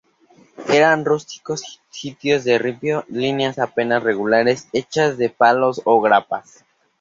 Eran rústicos sitios de ripio con líneas apenas regulares, hechas de palos o grapas.